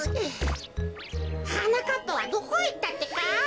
はなかっぱはどこいったってか。